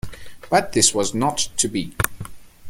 But this was not to be.